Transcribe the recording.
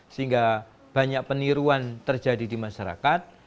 sehingga banyak peniruan terjadi di masyarakat